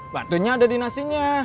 batunya ada di nasinya